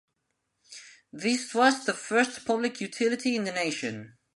This was the first public utility in the nation.